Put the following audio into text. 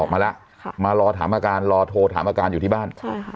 มาแล้วมารอถามอาการรอโทรถามอาการอยู่ที่บ้าน